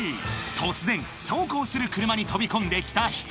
突然走行する車に飛び込んできた人